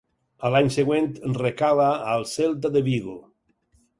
A l'any següent recala al Celta de Vigo.